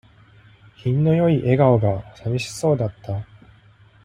品の良い横顔が、さみしそうだった。